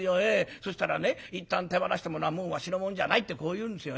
「そしたらねいったん手放したものはもうわしのもんじゃないってこう言うんですよ。